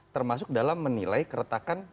termasuk dalam menilai keretakan